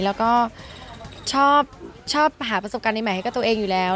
แล้วก็ชอบหาประสบการณ์ใหม่ให้กับตัวเองอยู่แล้ว